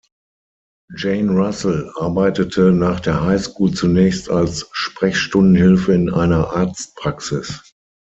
Jane Russell arbeitete nach der High School zunächst als Sprechstundenhilfe in einer Arztpraxis.